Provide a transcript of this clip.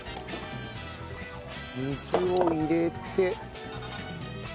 水を入れて。